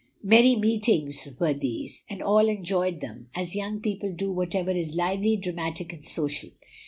Merry meetings were these; and all enjoyed them, as young people do whatever is lively, dramatic, and social.